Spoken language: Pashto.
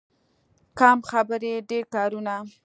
کم خبرې، ډېر کارونه.